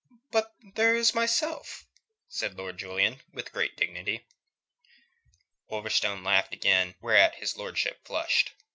"But there is myself," said Lord Julian, with great dignity. Wolverstone laughed again, whereat his lordship flushed.